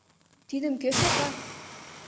Тидым кӧ шотла?